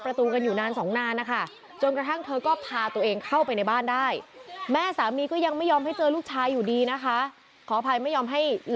เราก็ชัดกันคือพุทธค่ะ